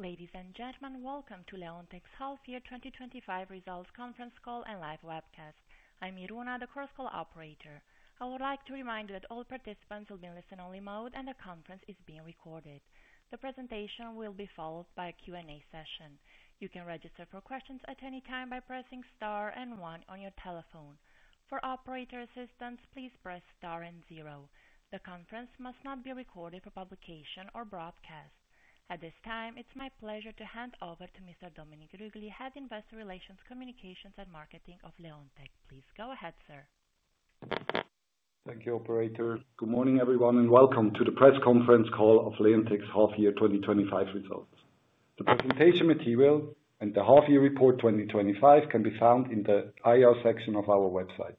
Ladies and gentlemen, welcome to Leonteq's half-year 2025 results conference call and live webcast. I'm Iruna, the Chorus Call operator. I would like to remind you that all participants will be in listen-only mode and the conference is being recorded. The presentation will be followed by a Q&A session. You can register for questions at any time by pressing star and one on your telephone. For operator assistance, please press star and zero. The conference must not be recorded for publication or broadcast. At this time, it's my pleasure to hand over to Mr. Dominik Ruggli, Head of Investor Relations, Communications, and Marketing of Leonteq. Please go ahead, sir. Thank you, operator. Good morning, everyone, and welcome to the press conference call of Leonteq's half-year 2025 results. The presentation material and the half-year report 2025 can be found in the IR section of our website.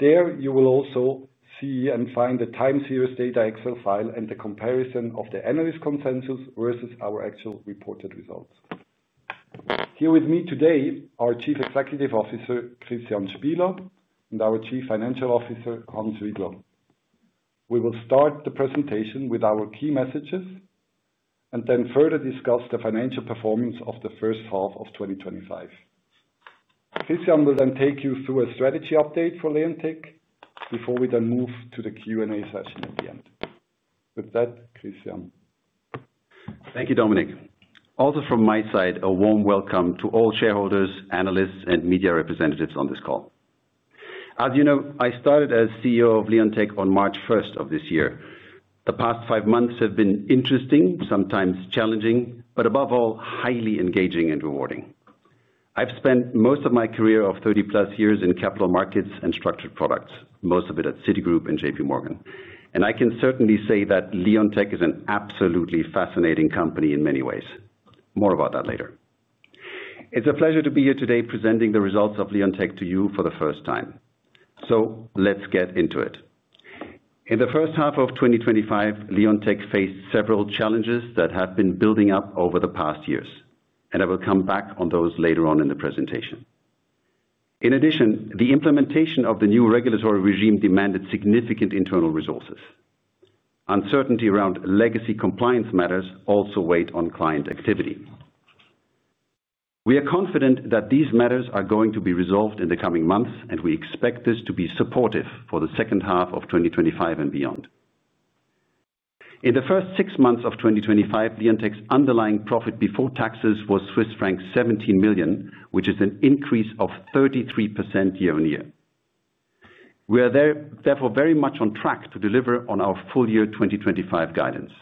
There you will also see and find the time series data Excel file and the comparison of the analyst consensus versus our actual reported results. Here with me today are Chief Executive Officer, Christian Spieler and our Chief Financial Officer, Hans Widler. We will start the presentation with our key messages and then further discuss the financial performance of the first half of 2025. Christian will then take you through a strategy update for Leonteq before we then move to the Q&A session at the end. With that, Christian. Thank you, Dominik. Also from my side, a warm welcome to all shareholders, analysts, and media representatives on this call. As you know, I started as CEO of Leonteq on March 1st of this year. The past five months have been interesting, sometimes challenging, but above all, highly engaging and rewarding. I've spent most of my career of 30 plus years in capital markets and structured products, most of it at Citigroup and JPMorgan. I can certainly say that Leonteq AG is an absolutely fascinating company in many ways. More about that later. It's a pleasure to be here today presenting the results of Leonteq to you for the first time. Let's get into it. In the first half of 2025, Leonteq faced several challenges that have been building up over the past years, and I will come back on those later on in the presentation. In addition, the implementation of the new regulatory regime demanded significant internal resources. Uncertainty around legacy compliance matters also weighed on client activity. We are confident that these matters are going to be resolved in the coming months, and we expect this to be supportive for the second half of 2025 and beyond. In the first six months of 2025, Leonteq's underlying profit before taxes was Swiss franc 17 million, which is an increase of 33% year-on-year. We are therefore very much on track to deliver on our full year 2025 guidance.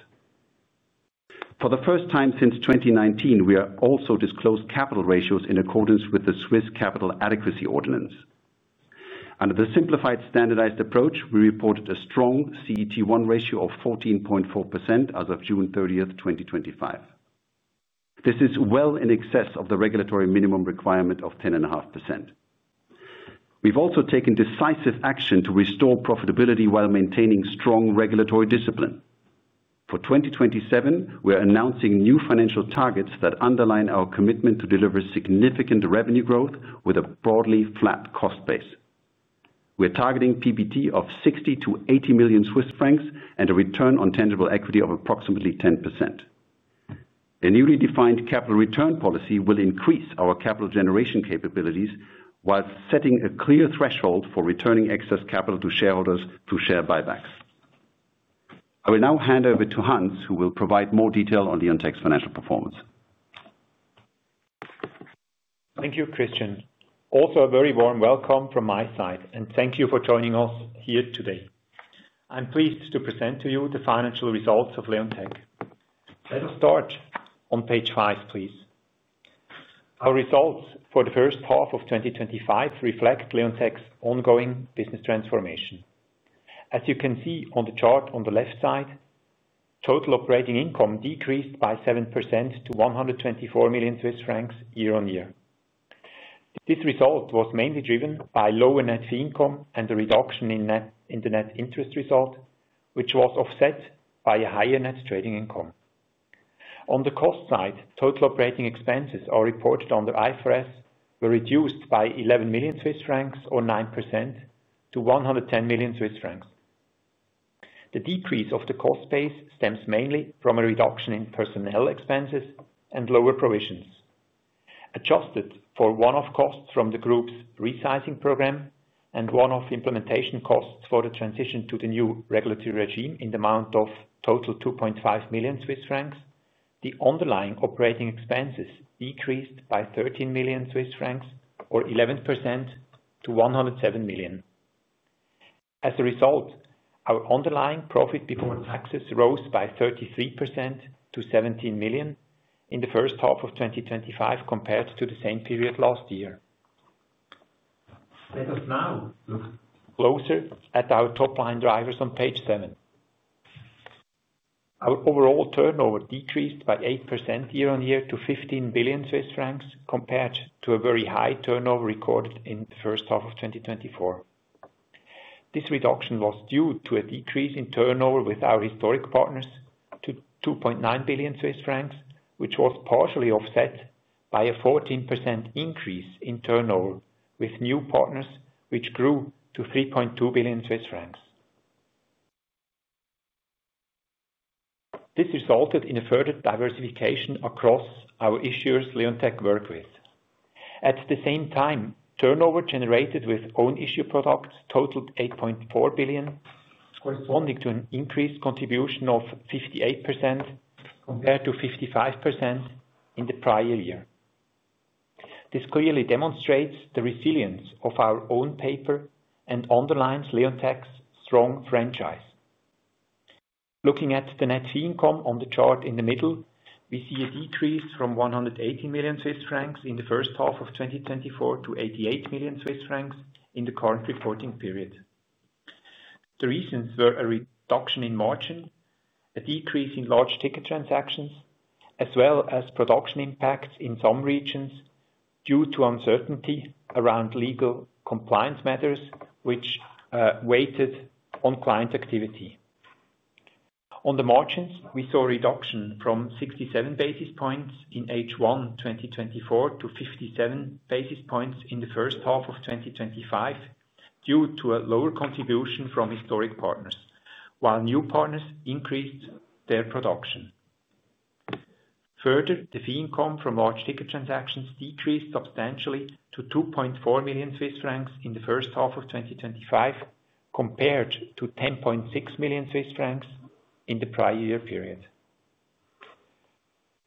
For the first time since 2019, we have also disclosed capital ratios in accordance with the Swiss Capital Adequacy Ordinance. Under the simplified standardized approach, we reported a strong CET1 ratio of 14.4% as of June 30th, 2025. This is well in excess of the regulatory minimum requirement of 10.5%. We've also taken decisive action to restore profitability while maintaining strong regulatory discipline. For 2027, we're announcing new financial targets that underline our commitment to deliver significant revenue growth with a broadly flat cost base. We're targeting PBT of 60 to 80 million and a return on tangible equity of approximately 10%. The newly defined capital return policy will increase our capital generation capabilities while setting a clear threshold for returning excess capital to shareholders through share buybacks. I will now hand over to Hans, who will provide more detail on Leonteq's financial performance. Thank you, Christian. Also, a very warm welcome from my side, and thank you for joining us here today. I'm pleased to present to you the financial results of Leonteq. Let's start on page five, please. Our results for the first half of 2025 reflect Leonteq's ongoing business transformation. As you can see on the chart on the left side, total operating income decreased by 7% to 124 million Swiss francs year-on-year. This result was mainly driven by lower net fee income and a reduction in the net interest result, which was offset by a higher net trading income. On the cost side, total operating expenses as reported under IFRS were reduced by 11 million Swiss francs or 9% to 110 million Swiss francs. The decrease of the cost base stems mainly from a reduction in personnel expenses and lower provisions. Adjusted for one-off costs from the group's resizing program and one-off implementation costs for the transition to the new regulatory regime in the amount of total 2.5 million Swiss francs, the underlying operating expenses decreased by 13 million Swiss francs or 11% to 107 million. As a result, our underlying profit before taxes rose by 33% to 17 million in the first half of 2025 compared to the same period last year. Closer at our top line drivers on page seven. Our overall turnover decreased by 8% year-on-year to 15 billion Swiss francs compared to a very high turnover recorded in the first half of 2024. This reduction was due to a decrease in turnover with our historic partners to 2.9 billion Swiss francs, which was partially offset by a 14% increase in turnover with new partners, which grew to 3.2 billion Swiss francs. This resulted in a further diversification across our issuers Leonteq worked with. At the same time, turnover generated with own issue products totaled 8.4 billion, corresponding to an increased contribution of 58% compared to 55% in the prior year. This clearly demonstrates the resilience of our own paper and underlines Leonteq's strong franchise. Looking at the net fee income on the chart in the middle, we see a decrease from 180 million Swiss francs in the first half of 2024 to 88 million Swiss francs in the current reporting period. The reasons were a reduction in margin, a decrease in large ticket transactions, as well as production impacts in some regions due to uncertainty around legal compliance matters, which weighed on client activity. On the margins, we saw a reduction from 67 basis points in H1 2024 to 57 basis points in the first half of 2025 due to a lower contribution from historic partners, while new partners increased their production. Further, the fee income from large ticket transactions decreased substantially to 2.4 million Swiss francs in the first half of 2025 compared to 10.6 million Swiss francs in the prior year period.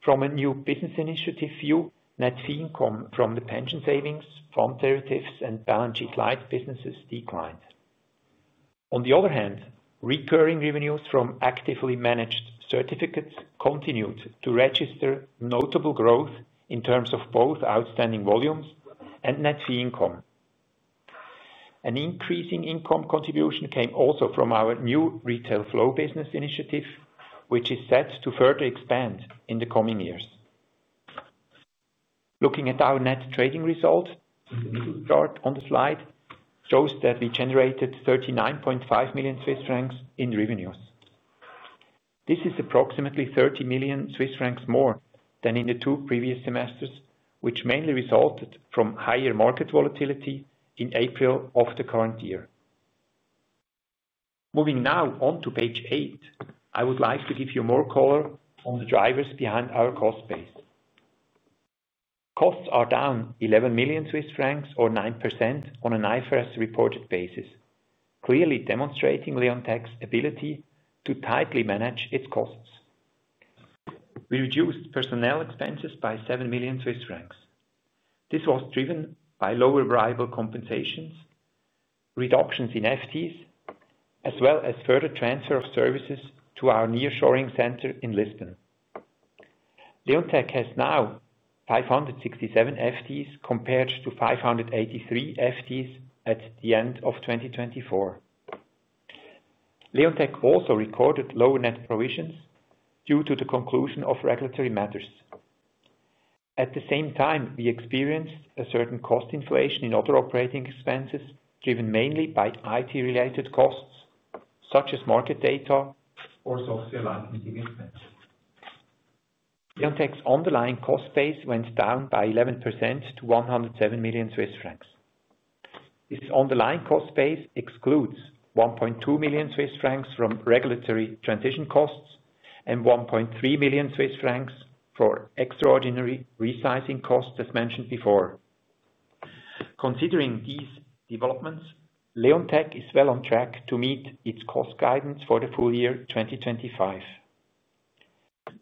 From a new business initiative view, net fee income from the pension savings, farm derivatives, and balance sheet light businesses declined. On the other hand, recurring revenues from actively managed certificates continued to register notable growth in terms of both outstanding volumes and net fee income. An increasing income contribution came also from our new retail flow business initiative, which is set to further expand in the coming years. Looking at our net trading result, the chart on the slide shows that we generated 39.5 million Swiss francs in revenues. This is approximately 30 million Swiss francs more than in the two previous semesters, which mainly resulted from higher market volatility in April of the current year. Moving now on to page eight, I would like to give you more color on the drivers behind our cost base. Costs are down 11 million Swiss francs or 9% on an IFRS reported basis, clearly demonstrating Leonteq's ability to tightly manage its costs. We reduced personnel expenses by 7 million Swiss francs. This was driven by lower variable compensations, reductions in FTEs, as well as further transfer of services to our nearshoring center in Lisbon. Leonteq has now 567 FTEs compared to 583 FTEs at the end of 2024. Leonteq also recorded lower net provisions due to the conclusion of regulatory matters. At the same time, we experienced a certain cost inflation in other operating expenses driven mainly by IT-related costs, such as market data or software licensing investments. Leonteq's underlying cost base went down by 11% to 107 million Swiss francs. This underlying cost base excludes 1.2 million Swiss francs from regulatory transition costs and 1.3 million Swiss francs for extraordinary resizing costs, as mentioned before. Considering these developments, Leonteq is well on track to meet its cost guidance for the full year 2025.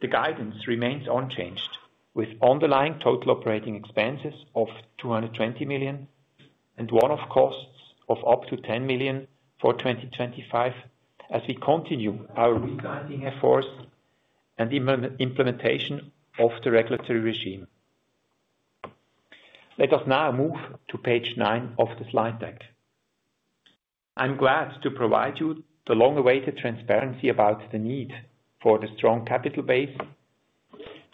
The guidance remains unchanged, with underlying total operating expenses of 220 million and one-off costs of up to 10 million for 2025 as we continue our guiding efforts and the implementation of the regulatory regime. Let us now move to page nine of the slide deck. I'm glad to provide you the long-awaited transparency about the need for the strong capital base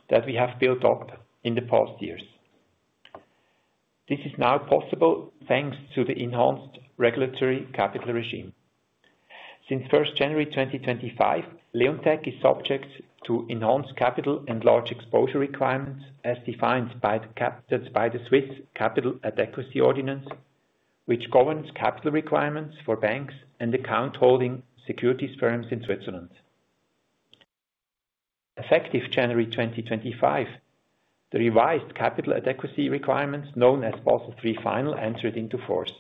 that we have built up in the past years. This is now possible thanks to the enhanced regulatory capital regime. Since 1st January, 2025, Leonteq is subject to enhanced capital and large exposure requirements as defined by the Swiss Capital Adequacy Ordinance, which governs capital requirements for banks and account holding securities firms in Switzerland. Effective January 2025, the revised capital adequacy requirements known as Basel III Final entered into force.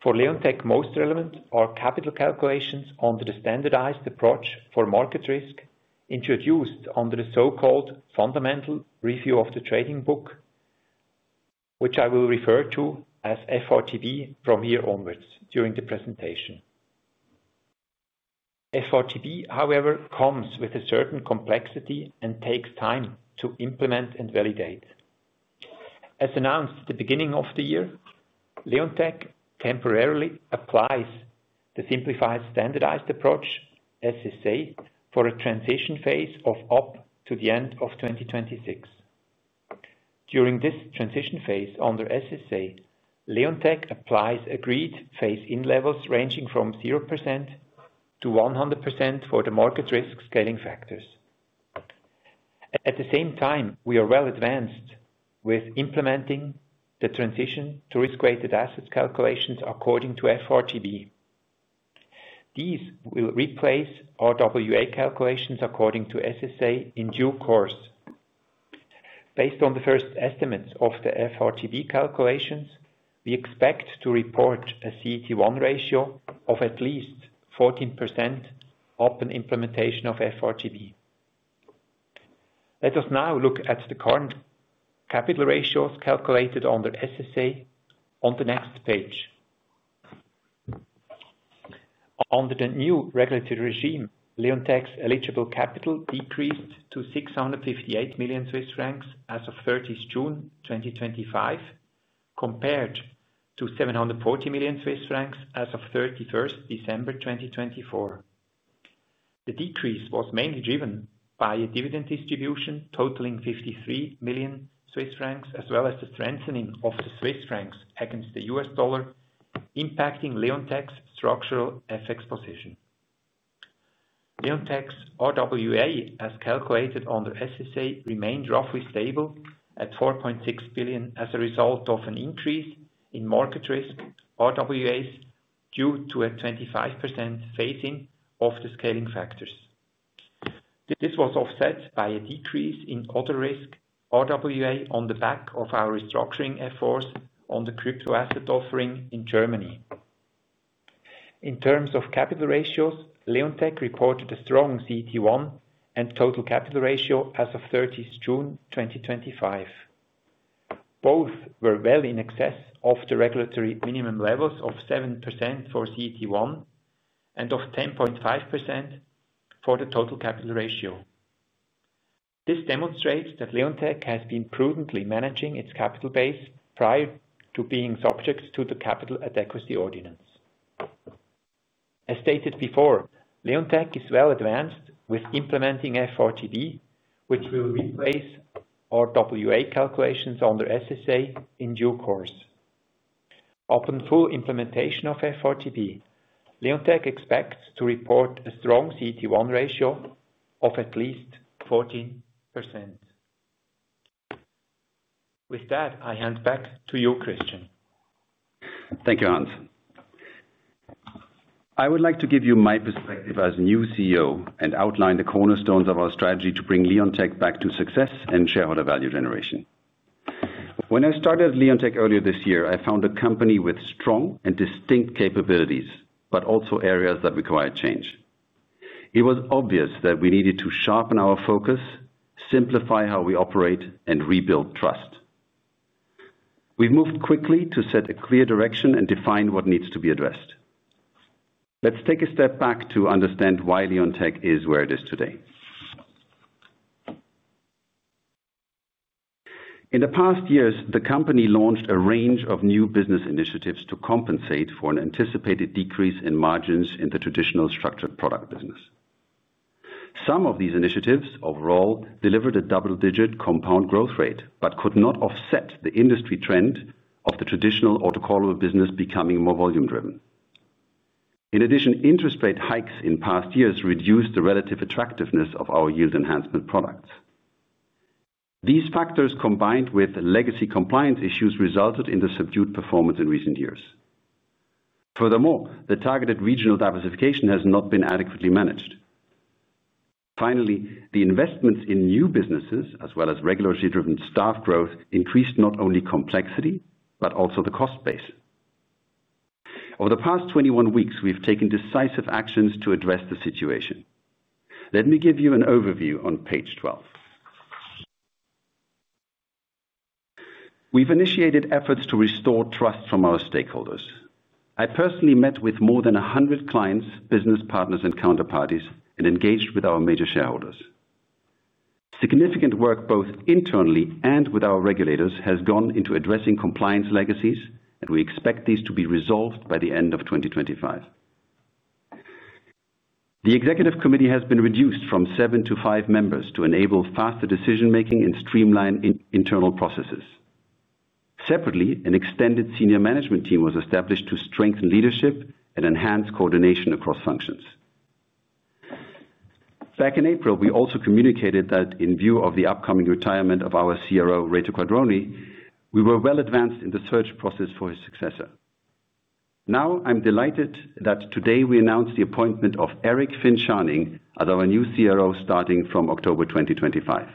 For Leonteq, most relevant are capital calculations under the standardized approach for market risk introduced under the so-called Fundamental Review of the Trading Book, which I will refer to as FRTB from here onwards during the presentation. FRTB, however, comes with a certain complexity and takes time to implement and validate. As announced at the beginning of the year, Leonteq temporarily applies the simplified standardized approach SSA for a transition phase of up to the end of 2026. During this transition phase under SSA, Leonteq applies agreed phase-in levels ranging from 0% to 100% for the market risk scaling factors. At the same time, we are well advanced with implementing the transition to risk-weighted assets calculations according to FRTB. These will replace RWA calculations according to SSA in due course. Based on the first estimates of the FRTB calculations, we expect to report a CET1 ratio of at least 14% upon implementation of FRTB. Let us now look at the current capital ratios calculated under SSA on the next page. Under the new regulatory regime, Leonteq's eligible capital decreased to 658 million Swiss francs as of June 30, 2025, compared to 740 million Swiss francs as of 31st December, 2024. The decrease was mainly driven by a dividend distribution totaling 53 million Swiss francs, as well as the strengthening of the Swiss Francs against the U.S. Dollar, impacting Leonteq's structural FX position. Leonteq's RWA, as calculated under SSA, remained roughly stable at 4.6 billion as a result of an increase in market risk RWAs due to a 25% phasing of the scaling factors. This was offset by a decrease in other risk RWA on the back of our restructuring efforts on the crypto asset offering in Germany. In terms of capital ratios, Leonteq recorded a strong CET1 and total capital ratio as of June 30, 2025. Both were well in excess of the regulatory minimum levels of 7% for CET1 and of 10.5% for the total capital ratio. This demonstrates that Leonteq has been prudently managing its capital base prior to being subject to the Capital Adequacy Ordinance. As stated before, Leonteq is well advanced with implementing FRTB, which will replace RWA calculations under SSA in due course. Upon full implementation of FRTB, Leonteq expects to report a strong CET1 ratio of at least 14%. With that, I hand back to you, Christian. Thank you, Hans. I would like to give you my perspective as a new CEO and outline the cornerstones of our strategy to bring Leonteq back to success and shareholder value generation. When I started at Leonteq earlier this year, I found a company with strong and distinct capabilities, but also areas that required change. It was obvious that we needed to sharpen our focus, simplify how we operate, and rebuild trust. We've moved quickly to set a clear direction and define what needs to be addressed. Let's take a step back to understand why Leonteq is where it is today. In the past years, the company launched a range of new business initiatives to compensate for an anticipated decrease in margins in the traditional structured investment products business. Some of these initiatives overall delivered a double-digit compound growth rate, but could not offset the industry trend of the traditional autocall business becoming more volume-driven. In addition, interest rate hikes in past years reduced the relative attractiveness of our yield enhancement products. These factors, combined with legacy compliance issues, resulted in the subdued performance in recent years. Furthermore, the targeted regional diversification has not been adequately managed. Finally, the investments in new businesses, as well as regulatory-driven staff growth, increased not only complexity, but also the cost base. Over the past 21 weeks, we've taken decisive actions to address the situation. Let me give you an overview on page 12. We've initiated efforts to restore trust from our stakeholders. I personally met with more than 100 clients, business partners, and counterparties, and engaged with our major shareholders. Significant work, both internally and with our regulators, has gone into addressing compliance legacies, and we expect these to be resolved by the end of 2025. The Executive Committee has been reduced from seven to five members to enable faster decision-making and streamline internal processes. Separately, an extended Senior Management Team was established to strengthen leadership and enhance coordination across functions. Back in April, we also communicated that in view of the upcoming retirement of our CRO, Reto Quadroni, we were well advanced in the search process for his successor. Now, I'm delighted that today we announced the appointment of Erik Finn Schaanning, our new CRO, starting from October 2025.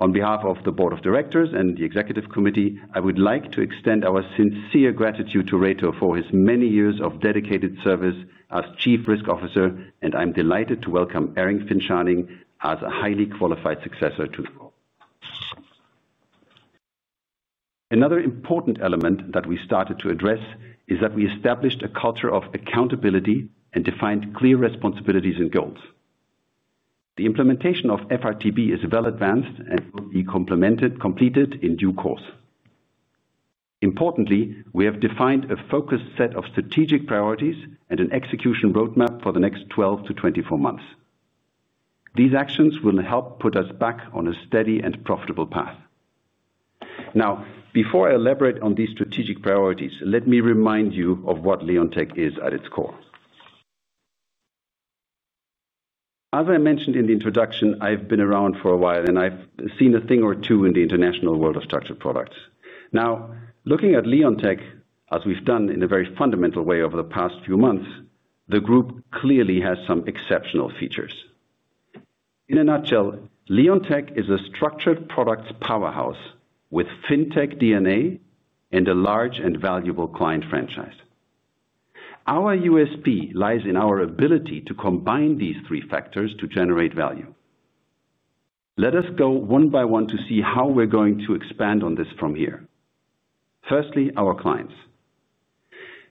On behalf of the Board of Directors and the Executive Committee, I would like to extend our sincere gratitude to Reto for his many years of dedicated service as Chief Risk Officer, and I'm delighted to welcome Erik Finn Schaanning as a highly qualified successor to the role. Another important element that we started to address is that we established a culture of accountability and defined clear responsibilities and goals. The implementation of FRTB is well advanced and will be completed in due course. Importantly, we have defined a focused set of strategic priorities and an execution roadmap for the next 12 to 24 months. These actions will help put us back on a steady and profitable path. Now, before I elaborate on these strategic priorities, let me remind you of what Leonteq is at its core. As I mentioned in the introduction, I've been around for a while and I've seen a thing or two in the international world of structured investment products. Now, looking at Leonteq, as we've done in a very fundamental way over the past few months, the group clearly has some exceptional features. In a nutshell, Leonteq is a structured investment products powerhouse with Fintech DNA and a large and valuable client franchise. Our USP lies in our ability to combine these three factors to generate value. Let us go one by one to see how we're going to expand on this from here. Firstly, our clients.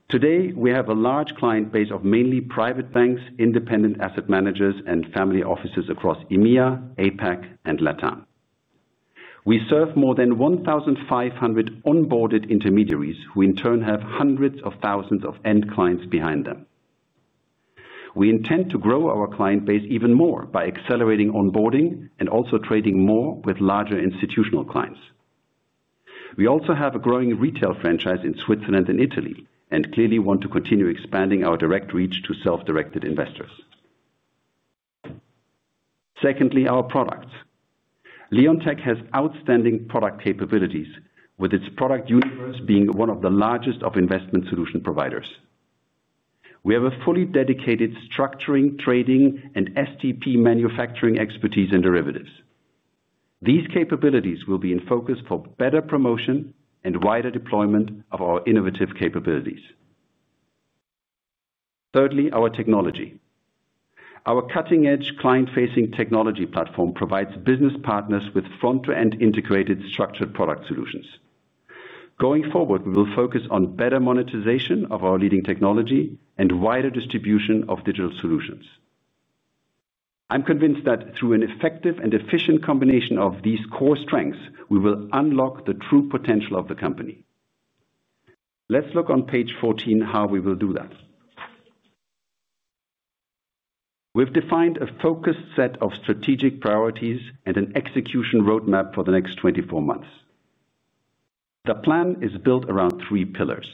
Today, we have a large client base of mainly private banks, independent asset managers, and family offices across EMEA, APAC, and LATAM. We serve more than 1,500 onboarded intermediaries who, in turn, have hundreds of thousands of end clients behind them. We intend to grow our client base even more by accelerating onboarding and also trading more with larger institutional clients. We also have a growing retail franchise in Switzerland and Italy and clearly want to continue expanding our direct reach to self-directed investors. Secondly, our products. Leonteq has outstanding product capabilities, with its product units being one of the largest investment solution providers. We have a fully dedicated structuring, trading, and STP manufacturing expertise and derivatives. These capabilities will be in focus for better promotion and wider deployment of our innovative capabilities. Thirdly, our technology. Our cutting-edge client-facing technology platform provides business partners with front-end integrated structured investment product solutions. Going forward, we will focus on better monetization of our leading technology and wider distribution of digital solutions. I'm convinced that through an effective and efficient combination of these core strengths, we will unlock the true potential of the company. Let's look on page 14 how we will do that. We've defined a focused set of strategic priorities and an execution roadmap for the next 24 months. The plan is built around three pillars.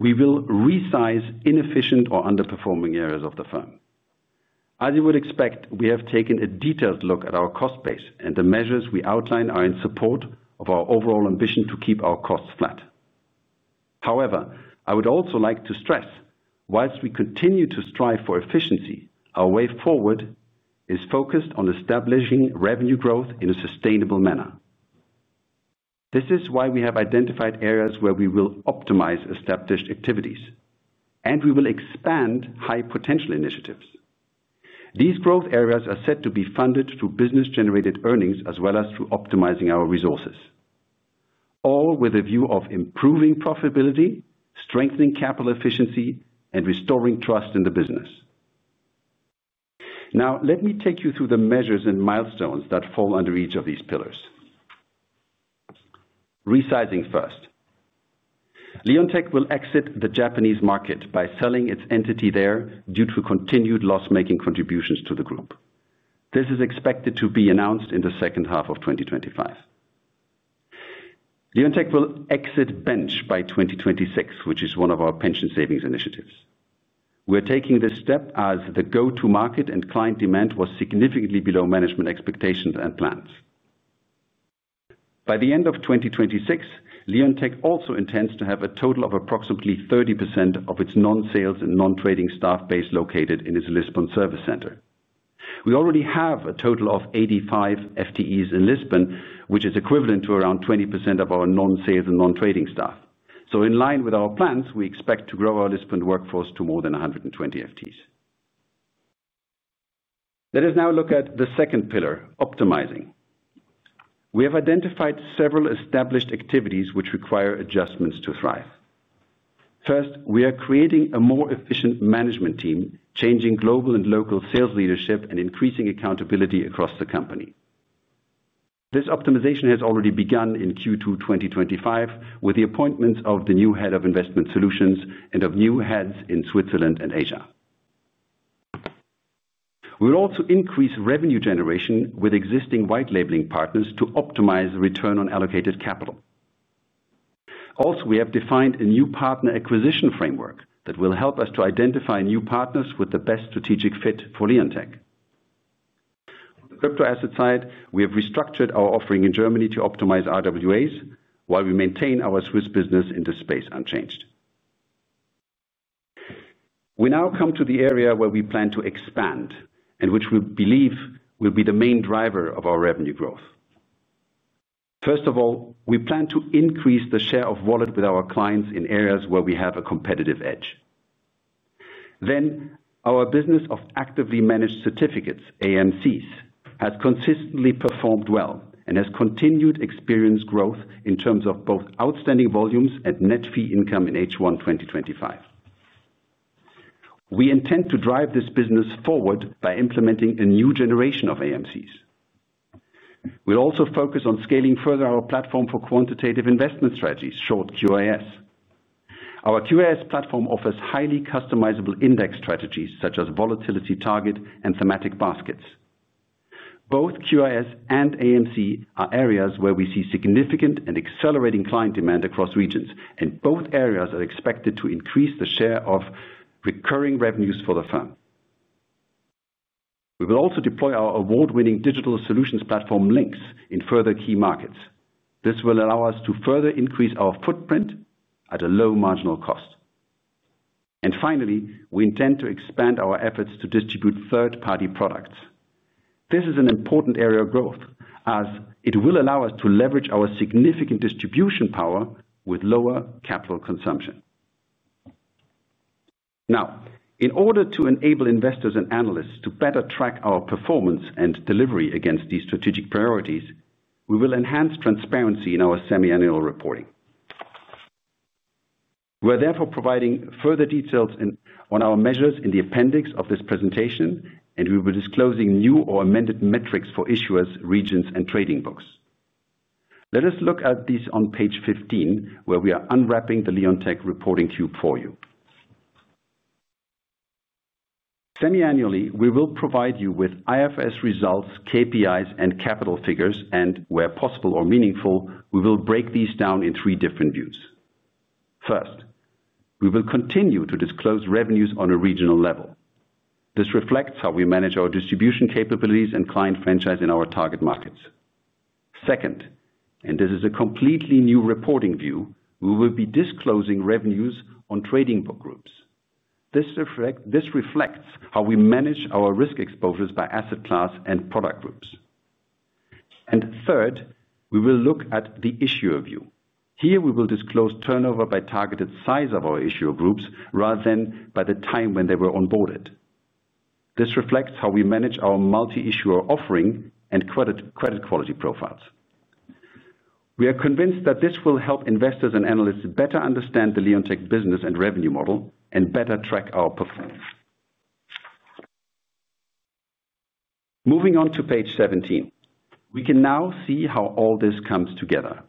We will resize inefficient or underperforming areas of the firm. As you would expect, we have taken a detailed look at our cost base, and the measures we outline are in support of our overall ambition to keep our costs flat. However, I would also like to stress, whilst we continue to strive for efficiency, our way forward is focused on establishing revenue growth in a sustainable manner. This is why we have identified areas where we will optimize established activities, and we will expand high potential initiatives. These growth areas are set to be funded through business-generated earnings, as well as through optimizing our resources, all with a view of improving profitability, strengthening capital efficiency, and restoring trust in the business. Now, let me take you through the measures and milestones that fall under each of these pillars. Resizing first. Leonteq will exit the Japanese market by selling its entity there due to continued loss-making contributions to the group. This is expected to be announced in the second half of 2025. Leonteq will exit Bench by 2026, which is one of our pension savings initiatives. We're taking this step as the go-to market and client demand was significantly below management expectations and plans. By the end of 2026, Leonteq also intends to have a total of approximately 30% of its non-sales and non-trading staff base located in its Lisbon service center. We already have a total of 85 FTEs in Lisbon, which is equivalent to around 20% of our non-sales and non-trading staff. In line with our plans, we expect to grow our Lisbon workforce to more than 120 FTEs. Let us now look at the second pillar, optimizing. We have identified several established activities which require adjustments to thrive. First, we are creating a more efficient management team, changing global and local sales leadership, and increasing accountability across the company. This optimization has already begun in Q2 2025 with the appointments of the new Head of Investment Solutions and of new heads in Switzerland and Asia. We will also increase revenue generation with existing white-labeling partners to optimize the return on allocated capital. We have defined a new partner acquisition framework that will help us to identify new partners with the best strategic fit for Leonteq. On the crypto asset side, we have restructured our offering in Germany to optimize RWAs, while we maintain our Swiss business in this space unchanged. We now come to the area where we plan to expand, and which we believe will be the main driver of our revenue growth. First of all, we plan to increase the share of wallet with our clients in areas where we have a competitive edge. Our business of Actively Managed Certificates (AMCs) has consistently performed well and has continued experienced growth in terms of both outstanding volumes and net fee income in H1 2025. We intend to drive this business forward by implementing a new generation of AMCs. We'll also focus on scaling further our platform for Quantitative Investment Strategies, in short QAS. Our QAS platform offers highly customizable index strategies such as volatility target and thematic baskets. Both QAS and AMC are areas where we see significant and accelerating client demand across regions, and both areas are expected to increase the share of recurring revenues for the firm. We will also deploy our award-winning digital solutions platform, LYNQS in further key markets. This will allow us to further increase our footprint at a low marginal cost. Finally, we intend to expand our efforts to distribute third-party products. This is an important area of growth, as it will allow us to leverage our significant distribution power with lower capital consumption. In order to enable investors and analysts to better track our performance and delivery against these strategic priorities, we will enhance transparency in our semi-annual reporting. We are therefore providing further details on our measures in the appendix of this presentation, and we will be disclosing new or amended metrics for issuers, regions, and trading books. Let us look at this on page 15, where we are unwrapping the Leonteq reporting cube for you. Semi-annually, we will provide you with IFRS results, KPIs, and capital figures, and where possible or meaningful, we will break these down in three different views. First, we will continue to disclose revenues on a regional level. This reflects how we manage our distribution capabilities and client franchise in our target markets. Second, and this is a completely new reporting view, we will be disclosing revenues on trading book groups. This reflects how we manage our risk exposures by asset class and product groups. Third, we will look at the issuer view. Here, we will disclose turnover by targeted size of our issuer groups rather than by the time when they were onboarded. This reflects how we manage our multi-issuer offering and credit quality profiles. We are convinced that this will help investors and analysts better understand the Leonteq business and revenue model and better track our performance. Moving on to page 17, we can now see how all this comes together.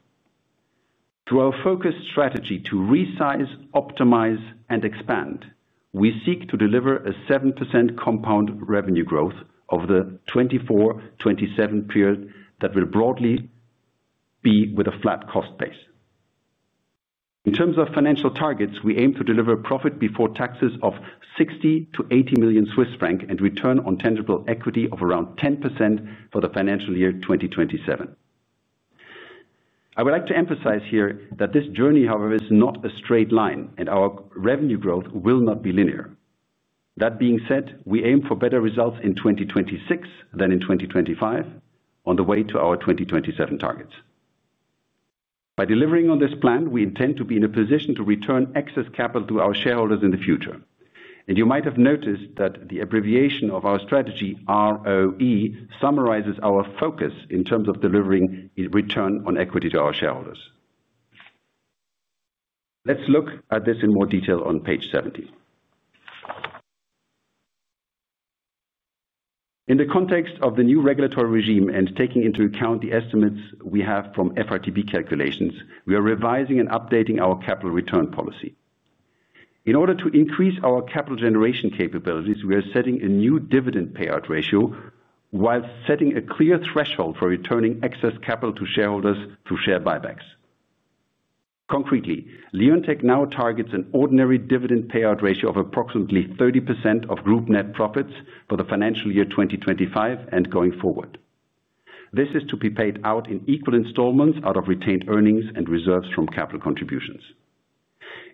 Through our focused strategy to resize, optimize, and expand, we seek to deliver a 7% compound revenue growth over the 2024-2027 period that will broadly be with a flat cost base. In terms of financial targets, we aim to deliver profit before taxes of 60 million to 80 million Swiss francs and return on tangible equity of around 10% for the financial year 2027. I would like to emphasize here that this journey, however, is not a straight line, and our revenue growth will not be linear. That being said, we aim for better results in 2026 than in 2025 on the way to our 2027 targets. By delivering on this plan, we intend to be in a position to return excess capital to our shareholders in the future. You might have noticed that the abbreviation of our strategy, ROE, summarizes our focus in terms of delivering return on equity to our shareholders. Let's look at this in more detail on page 70. In the context of the new regulatory regime and taking into account the estimates we have from FRTB calculations, we are revising and updating our capital return policy. In order to increase our capital generation capabilities, we are setting a new dividend payout ratio while setting a clear threshold for returning excess capital to shareholders through share buybacks. Concretely, Leonteq now targets an ordinary dividend payout ratio of approximately 30% of group net profits for the financial year 2025 and going forward. This is to be paid out in equal installments out of retained earnings and reserves from capital contributions.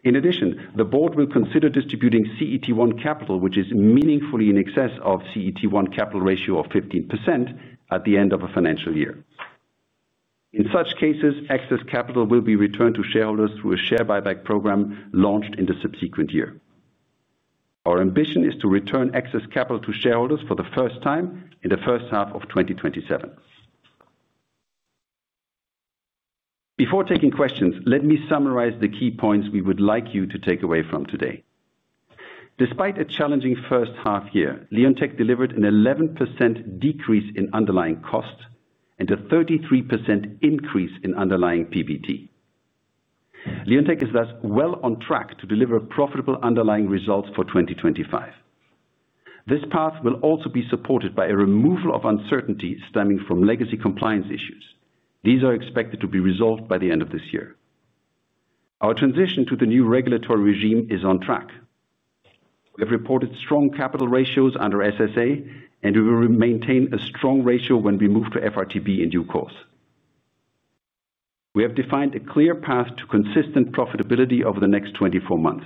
In addition, the Board will consider distributing CET1 capital, which is meaningfully in excess of CET1 capital ratio of 15% at the end of a financial year. In such cases, excess capital will be returned to shareholders through a share buyback program launched in the subsequent year. Our ambition is to return excess capital to shareholders for the first time in the first half of 2027. Before taking questions, let me summarize the key points we would like you to take away from today. Despite a challenging first half year, Leonteq delivered an 11% decrease in underlying cost and a 33% increase in underlying PBT. Leonteq is thus well on track to deliver profitable underlying results for 2025. This path will also be supported by a removal of uncertainty stemming from legacy compliance issues. These are expected to be resolved by the end of this year. Our transition to the new regulatory regime is on track. We have reported strong capital ratios under SSA, and we will maintain a strong ratio when we move to FRTB in due course. We have defined a clear path to consistent profitability over the next 24 months.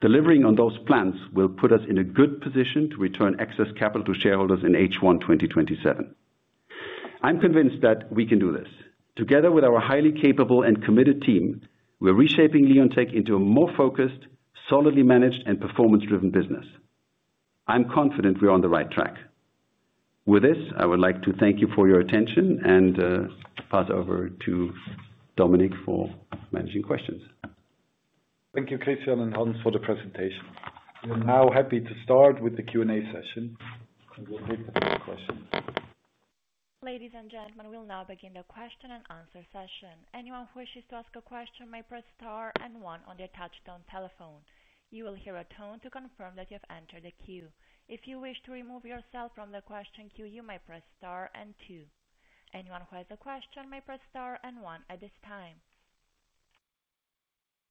Delivering on those plans will put us in a good position to return excess capital to shareholders in H1 2027. I'm convinced that we can do this. Together with our highly capable and committed team, we're reshaping Leonteq into a more focused, solidly managed, and performance-driven business. I'm confident we're on the right track. With this, I would like to thank you for your attention and pass over to Dominik for managing questions. Thank you, Christian and Hans, for the presentation. We are now happy to start with the Q&A session and will take the questions. Ladies and gentlemen, we'll now begin the question and answer session. Anyone who wishes to ask a question may press star and one on the attached telephone. You will hear a tone to confirm that you have entered the queue. If you wish to remove yourself from the question queue, you may press star and two. Anyone who has a question may press star and one at this time.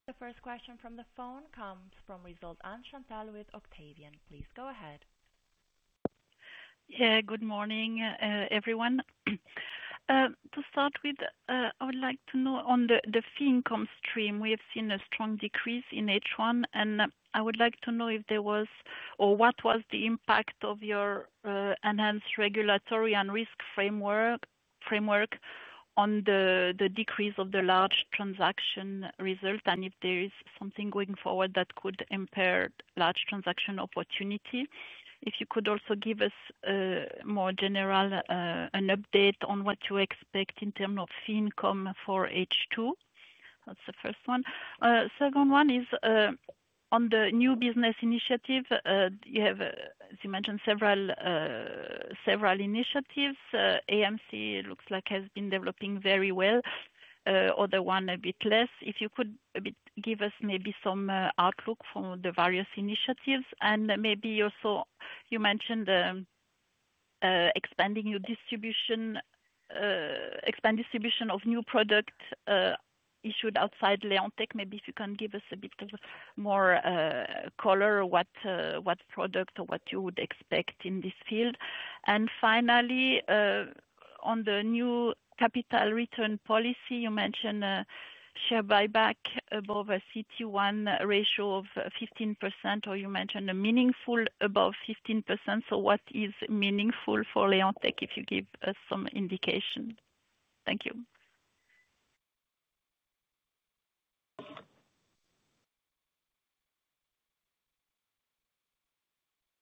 The first question from the phone comes from Risold, Anne-Chantal with Octavian. Please go ahead. Yeah, good morning, everyone. To start with, I would like to know on the FINCOM stream, we have seen a strong decrease in H1, and I would like to know if there was or what was the impact of your enhanced regulatory and risk framework on the decrease of the large transaction result, and if there is something going forward that could impair large transaction opportunity. If you could also give us a more general update on what you expect in terms of FINCOM for H2. That's the first one. The second one is on the new business initiative. You have, as you mentioned, several initiatives. AMC looks like it has been developing very well. The other one a bit less. If you could give us maybe some outlook from the various initiatives and maybe also you mentioned expanding your distribution, expand distribution of new product issued outside Leonteq. Maybe if you can give us a bit more color, what product or what you would expect in this field. Finally, on the new capital return policy, you mentioned a share buyback above a CET1 ratio of 15%, or you mentioned a meaningful above 15%. What is meaningful for Leonteq if you give us some indication? Thank you.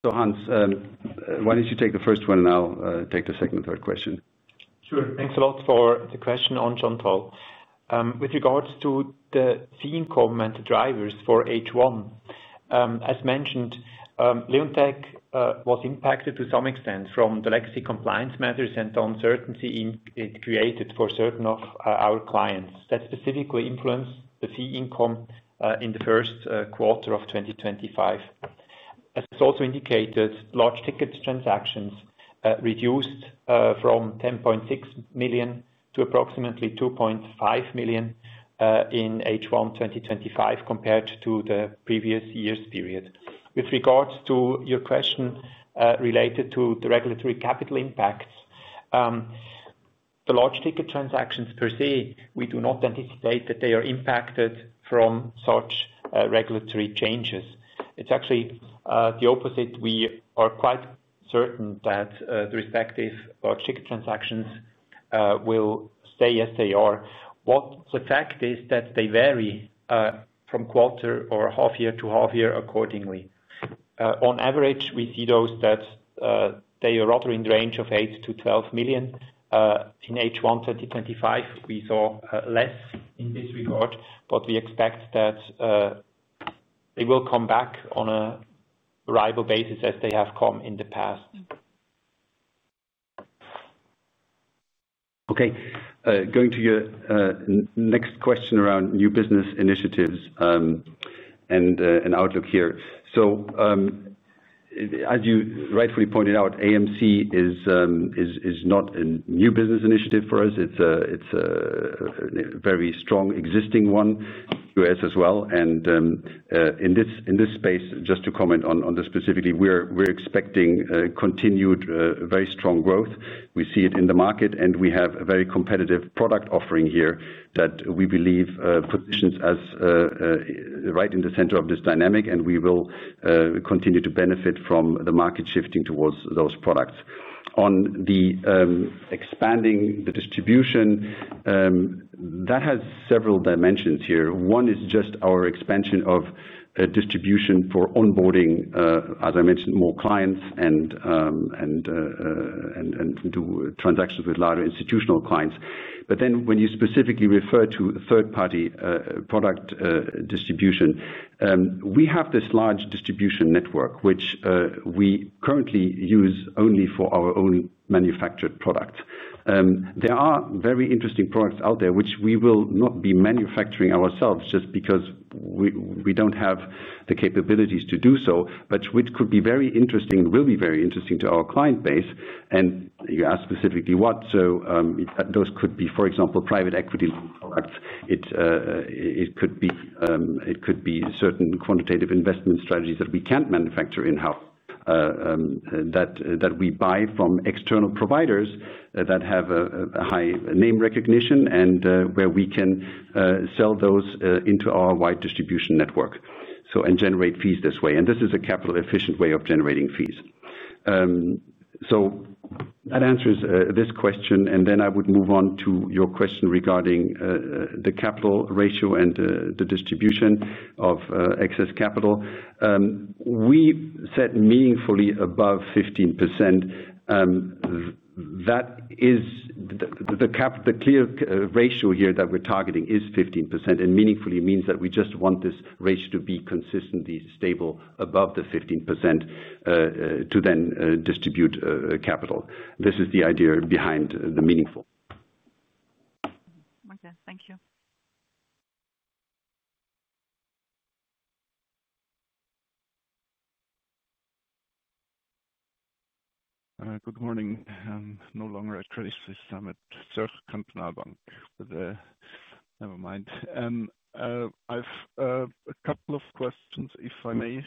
Hans, why don't you take the first one and I'll take the second and third question? Thanks a lot for the question, Anne-Chantal. With regards to the FINCOM and the drivers for H1, as mentioned, Leonteq was impacted to some extent from the legacy compliance matters and the uncertainty it created for certain of our clients that specifically influenced the FINCOM in the first quarter of 2025. As also indicated, large ticket transactions reduced from 10.6 million to approximately 2.5 million in H1 2025 compared to the previous year's period. With regards to your question related to the regulatory capital impacts, the large ticket transactions per se, we do not anticipate that they are impacted from such regulatory changes. It's actually the opposite. We are quite certain that the respective large ticket transactions will stay, as they are. The fact is that they vary from quarter or half year to half year accordingly. On average, we see those that they are rather in the range of 8 million to 12 million. In H1 2025, we saw less in this regard, but we expect that it will come back on a rival basis as they have come in the past. Okay, going to your next question around new business initiatives and an outlook here. As you rightfully pointed out, AMCs is not a new business initiative for us. It's a very strong existing one, QAS as well. In this space, just to comment on this specifically, we're expecting continued very strong growth. We see it in the market, and we have a very competitive product offering here that we believe positions us right in the center of this dynamic, and we will continue to benefit from the market shifting towards those products. On expanding the distribution, that has several dimensions here. One is just our expansion of distribution for onboarding, as I mentioned, more clients and do transactions with larger institutional clients. When you specifically refer to third-party product distribution, we have this large distribution network, which we currently use only for our own manufactured products. There are very interesting products out there, which we will not be manufacturing ourselves just because we don't have the capabilities to do so, but which could be very interesting and will be very interesting to our client base. You ask specifically what, so those could be, for example, private equity products. It could be certain quantitative investment strategies that we can't manufacture in-house, that we buy from external providers that have a high name recognition and where we can sell those into our wide distribution network and generate fees this way. This is a capital-efficient way of generating fees. That answers this question, and I would move on to your question regarding the capital ratio and the distribution of excess capital. We sit meaningfully above 15%. That is the clear ratio here that we're targeting is 15%, and meaningfully means that we just want this ratio to be consistently stable above the 15% to then distribute capital. This is the idea behind the meaningful. Thank you. Good morning. I'm no longer at Credit Suisse Summit. I'm at Zürcher Kantonalbank. Never mind. I've a couple of questions, if I may.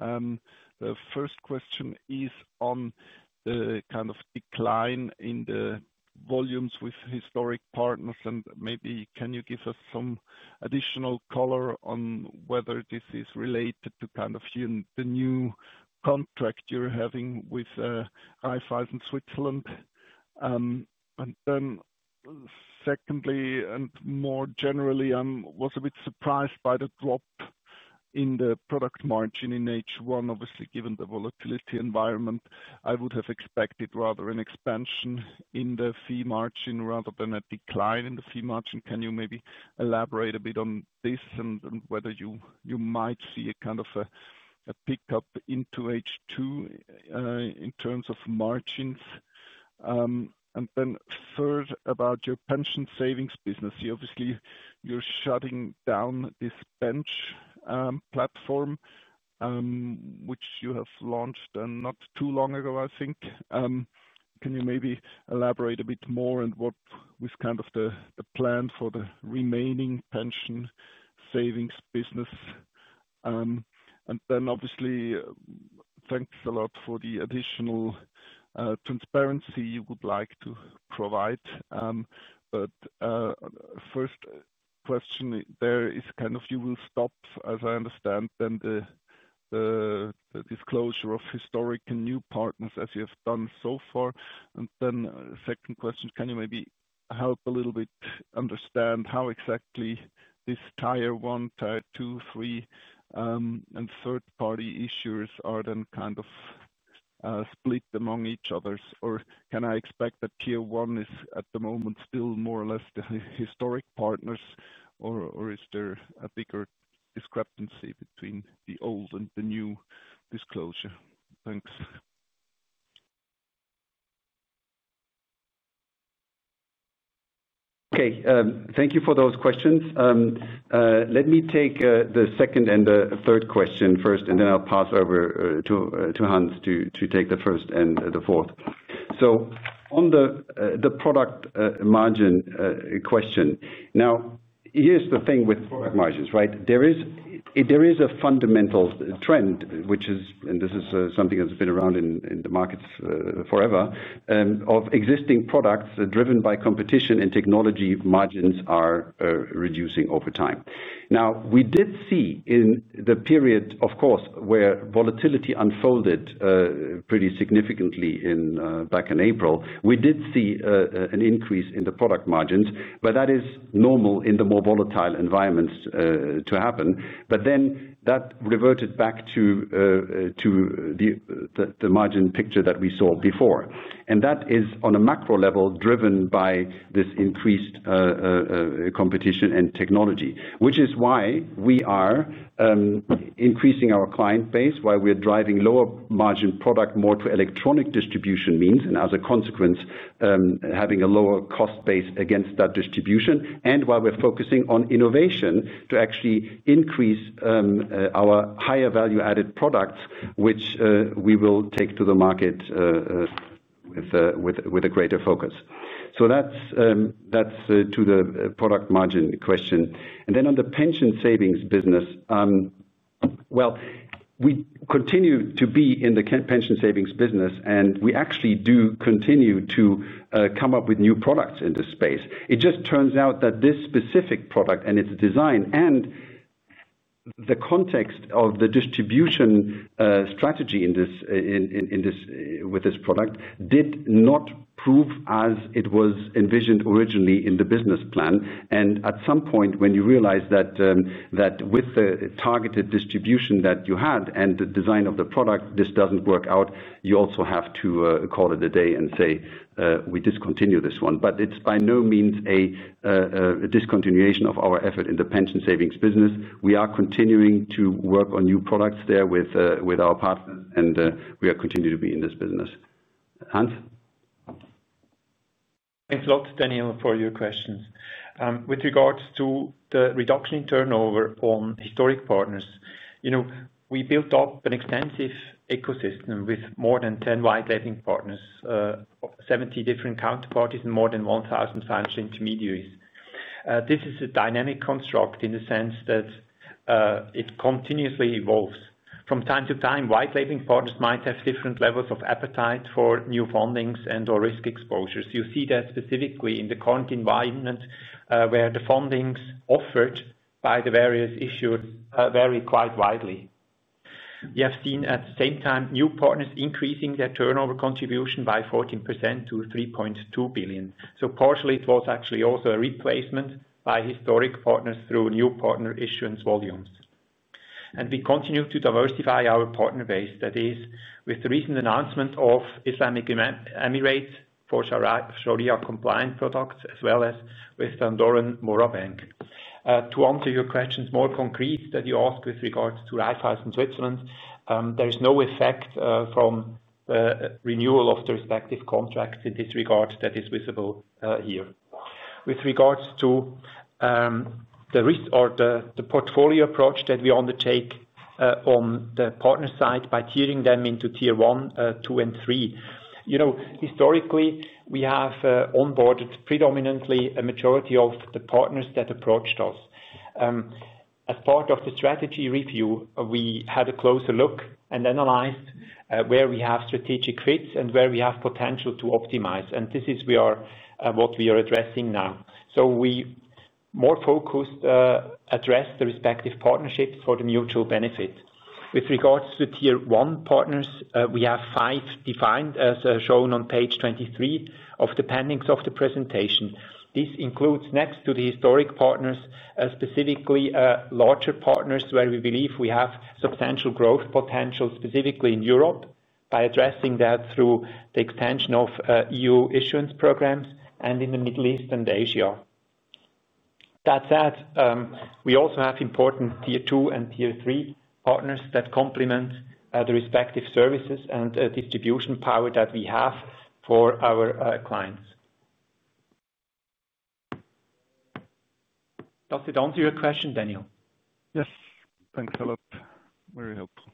The first question is on the kind of decline in the volumes with historic partners, and maybe can you give us some additional color on whether this is related to the new contract you're having with Raiffeisen Switzerland? Secondly, and more generally, I was a bit surprised by the drop in the product margin in H1, obviously given the volatility environment. I would have expected rather an expansion in the fee margin rather than a decline in the fee margin. Can you maybe elaborate a bit on this and whether you might see a kind of a pickup into H2 in terms of margins? Third, about your pension savings business, you obviously are shutting down this Bench platform, which you have launched not too long ago, I think. Can you maybe elaborate a bit more and what was the plan for the remaining pension savings business? Obviously, thanks a lot for the additional transparency you would like to provide. First question there is you will stop, as I understand, the disclosure of historic and new partners as you have done so far. Second question, can you maybe help a little bit understand how exactly this tier one, tier two, three, and third-party issuers are then split among each other? Or can I expect that tier one is at the moment still more or less the historic partners, or is there a bigger discrepancy between the old and the new disclosure? Thanks. Okay, thank you for those questions. Let me take the second and the third question first, and then I'll pass over to Hans to take the first and the fourth. On the product margin question, now here's the thing with product margins, right? There is a fundamental trend, which is, and this is something that's been around in the markets forever, of existing products driven by competition and technology, margins are reducing over time. We did see in the period, of course, where volatility unfolded pretty significantly back in April, we did see an increase in the product margins, but that is normal in the more volatile environments to happen. That reverted back to the margin picture that we saw before. That is on a macro level driven by this increased competition and technology, which is why we are increasing our client base, why we're driving lower margin product more to electronic distribution means, and as a consequence, having a lower cost base against that distribution, and while we're focusing on innovation to actually increase our higher value-added products, which we will take to the market with a greater focus. That's to the product margin question. On the pension savings business, we continue to be in the pension savings business, and we actually do continue to come up with new products in this space. It just turns out that this specific product and its design and the context of the distribution strategy with this product did not prove as it was envisioned originally in the business plan. At some point, when you realize that with the targeted distribution that you had and the design of the product, this doesn't work out, you also have to call it a day and say, we discontinue this one. It's by no means a discontinuation of our effort in the pension savings business. We are continuing to work on new products there with our partners, and we are continuing to be in this business. Hans? Thanks a lot, Daniel, for your questions. With regards to the reduction in turnover on historic partners, you know, we built up an extensive ecosystem with more than 10 white-labeling partners, 70 different counterparties, and more than 1,000 financial intermediaries. This is a dynamic construct in the sense that it continuously evolves. From time to time, white-labeling partners might have different levels of appetite for new fundings and/or risk exposures. You see that specifically in the current environment where the fundings offered by the various issuers vary quite widely. We have seen at the same time new partners increasing their turnover contribution by 14% to $3.2 billion. Partially, it was actually also a replacement by historic partners through new partner issuance volumes. We continue to diversify our partner base, that is, with the recent announcement of Islamic Emirates for Sharia-Compliant products, as well as with MoraBanc. To answer your questions more concrete that you asked with regards to Raiffeisen Switzerland, there is no effect from the renewal of the respective contracts in this regard that is visible here. With regards to the risk or the portfolio approach that we undertake on the partner side by tiering them into tier one, two, and three, you know, historically, we have onboarded predominantly a majority of the partners that approached us. As part of the strategy review, we had a closer look and analyzed where we have strategic fits and where we have potential to optimize. This is what we are addressing now. We more focused addressed the respective partnerships for the mutual benefit. With regards to tier one partners, we have five defined as shown on page 23 of the appendices of the presentation. This includes, next to the historic partners, specifically larger partners where we believe we have substantial growth potential, specifically in Europe, by addressing that through the extension of EU issuance programs and in the Middle East and Asia. That said, we also have important tier two and tier three partners that complement the respective services and distribution power that we have for our clients. Does it answer your question, Daniel? Yes, thanks a lot. Very helpful.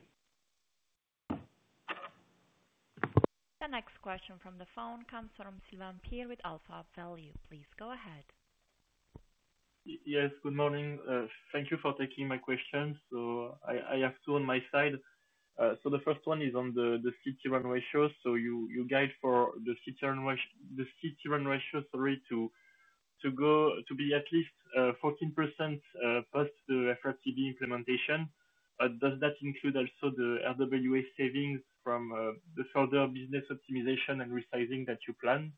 The next question from the phone comes from Sylvain Perret with AlphaValue. Please go ahead. Yes, good morning. Thank you for taking my questions. I have two on my side. The first one is on the CET1 ratios. You guide for the CET1 ratio to be at least 14% past the FRTB implementation. Does that include also the RWA savings from the further business optimization and resizing that you plan?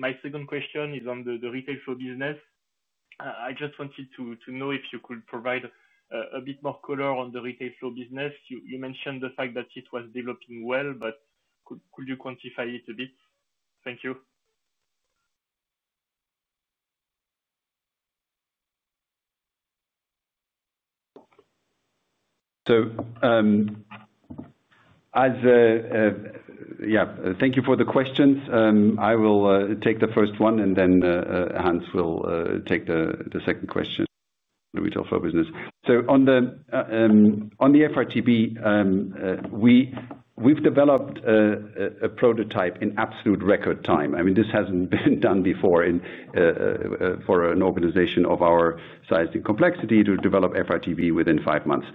My second question is on the retail flow business. I just wanted to know if you could provide a bit more color on the retail flow business. You mentioned the fact that it was developing well, but could you quantify it a bit? Thank you. Thank you for the questions. I will take the first one, and then Hans will take the second question. Let me talk for business. On the FRTB, we've developed a prototype in absolute record time. This hasn't been done before for an organization of our size and complexity to develop FRTB within five months.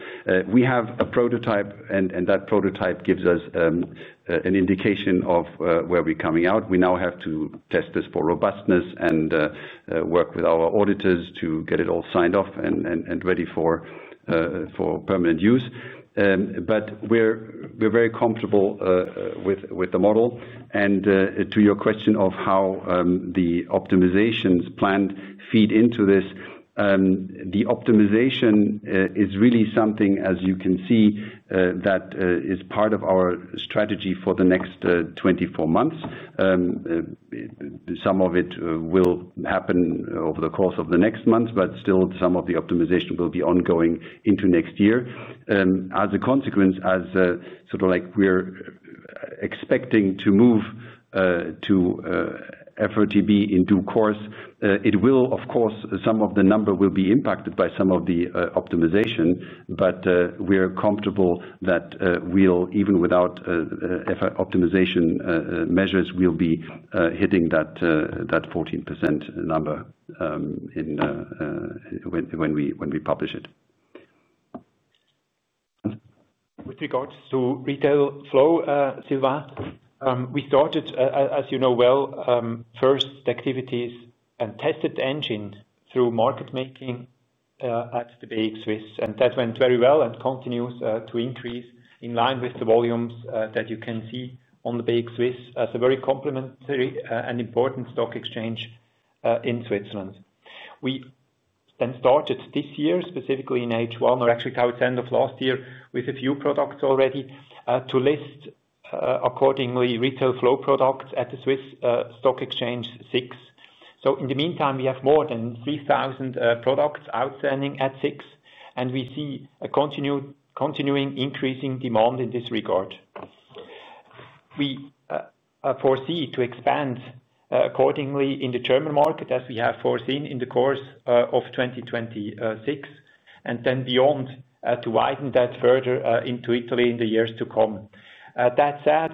We have a prototype, and that prototype gives us an indication of where we're coming out. We now have to test this for robustness and work with our auditors to get it all signed off and ready for permanent use. We're very comfortable with the model. To your question of how the optimizations planned feed into this, the optimization is really something, as you can see, that is part of our strategy for the next 24 months. Some of it will happen over the course of the next months, but still some of the optimization will be ongoing into next year. As a consequence, as sort of like we're expecting to move to FRTB in due course, it will, of course, some of the number will be impacted by some of the optimization, but we're comfortable that we'll, even without FRTB optimization measures, we'll be hitting that 14% number when we publish it. With regards to retail flow, Sylvain, we started, as you know well, first activities and tested the engine through market making at the BX Swiss, and that went very well and continues to increase in line with the volumes that you can see on the BX Swiss as a very complementary and important stock exchange in Switzerland. We then started this year, specifically in H1, or actually towards the end of last year, with a few products already to list accordingly retail flow products at the Swiss Stock Exchange SIX. In the meantime, we have more than 3,000 products outstanding at SIX, and we see a continuing increasing demand in this regard. We foresee to expand accordingly in the German market, as we have foreseen in the course of 2026, and then beyond to widen that further into Italy in the years to come. That said,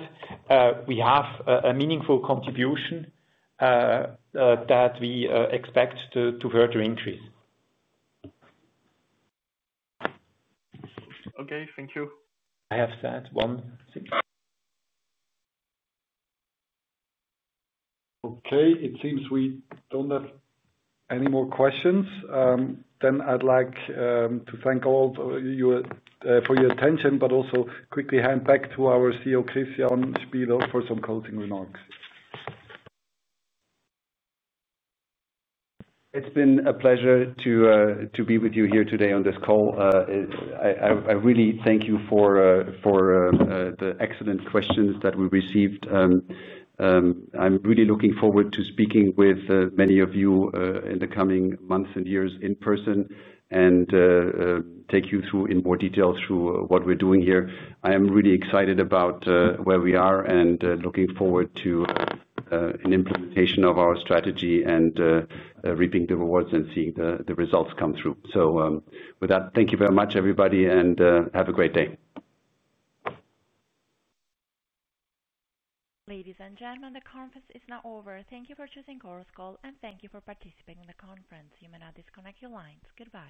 we have a meaningful contribution that we expect to further increase. Okay, thank you. I have said one. Okay, it seems we don't have any more questions. I'd like to thank all of you for your attention, but also quickly hand back to our CEO, Christian Spieler, for some closing remarks. It's been a pleasure to be with you here today on this call. I really thank you for the excellent questions that we received. I'm really looking forward to speaking with many of you in the coming months and years in person and take you through in more detail through what we're doing here. I am really excited about where we are and looking forward to an implementation of our strategy and reaping the rewards and seeing the results come through. Thank you very much, everybody, and have a great day. Ladies and gentlemen, the conference is now over. Thank you for choosing Leonteq, and thank you for participating in the conference. You may now disconnect your lines. Goodbye.